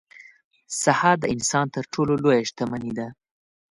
صحه د انسان تر ټولو لویه شتمني ده.